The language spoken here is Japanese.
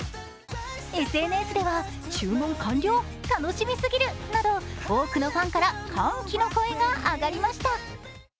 ＳＮＳでは注文完了、楽しみすぎるなど多くのファンから歓喜の声が上がりました。